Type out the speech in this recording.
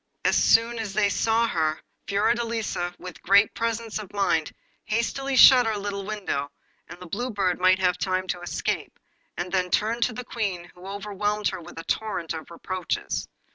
As soon as she saw her, Fiordelisa, with great presence of mind, hastily shut her little window, that the Blue Bird might have time to escape, and then turned to meet the Queen, who overwhelmed her with a torrent of reproaches.